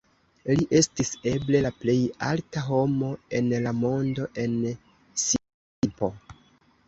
Li estis eble la plej alta homo en la mondo en sia tempo.